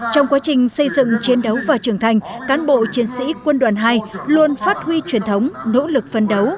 trong quá trình xây dựng chiến đấu và trưởng thành cán bộ chiến sĩ quân đoàn hai luôn phát huy truyền thống nỗ lực phân đấu